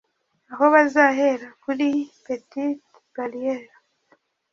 aho bazahera kuri Petite Barrière